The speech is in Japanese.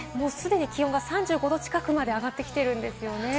気温がすでに３５度近くまで上がってきているんですよね。